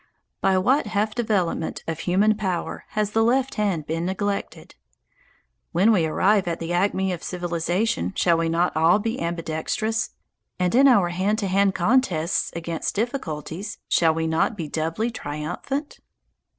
By what half development of human power has the left hand been neglected? When we arrive at the acme of civilization shall we not all be ambidextrous, and in our hand to hand contests against difficulties shall we not be doubly triumphant?